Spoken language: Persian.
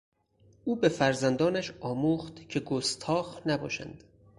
او به فرزندانش آموخت که گستاخ نباشند.